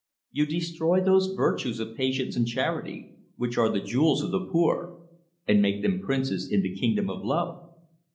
You destroy those virtues of patience and charity, which are the jewels of the poor, and make them princes in the kingdom of love.